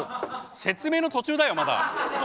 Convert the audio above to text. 説明の途中だよまだ。